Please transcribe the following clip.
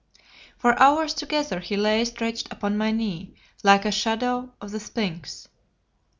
For hours together he lay stretched upon my knee, like the shadow of a sphinx.